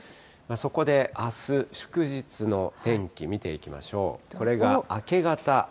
そこで、あす祝日の天気見ていきましょう。